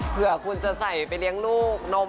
เผื่อคุณจะใส่ไปเลี้ยงลูกนม